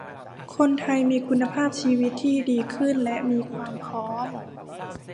คนไทยมีคุณภาพชีวิตที่ดีขึ้นและมีความพร้อม